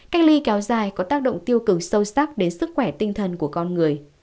cách ly kéo dài có tác động tiêu cực sâu sắc đến sức khỏe tinh thần của con người